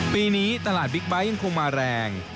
ปีนี้ตลาดบิ๊กไบท์ยังคงมาแรง